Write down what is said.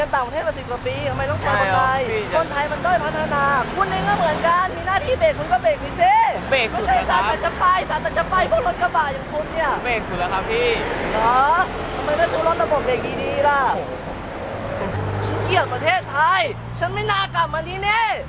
เทศไทยฉันไม่น่ากลับมาดินี่